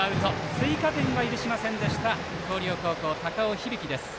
追加点は許しませんでした広陵高校、高尾響。